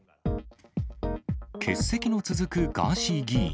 欠席の続くガーシー議員。